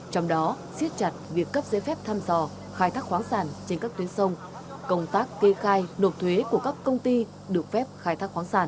trong đó siết chặt việc cấp giấy phép thăm dò khai thác khoáng sản trên các tuyến sông công tác kê khai nộp thuế của các công ty được phép khai thác khoáng sản